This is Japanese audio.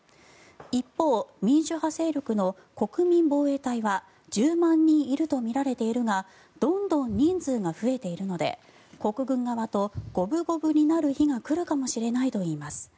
一方、民主派勢力の国民防衛隊は１０万人いるとみられているがどんどん人数が増えているので国軍側と五分五分になる日が来るかもしれないといいます。